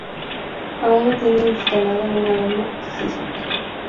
Aún no tiene instalada una alarma sísmica.